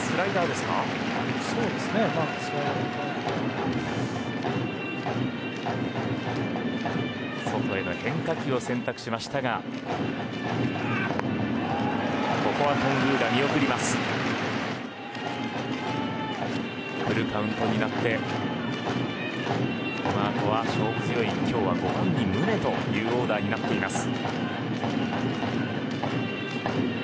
フルカウントになってこのあとは勝負強い今日は５番に宗というオーダーになっています。